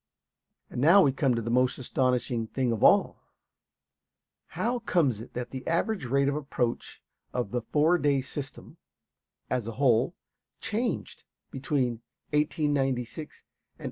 And now we come to the most astonishing thing of all. How comes it that the average rate of approach of the "four day system," as a whole, changed between 1896 and 1899?